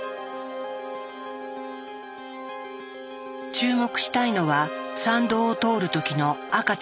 注目したいのは産道を通る時の赤ちゃんの頭。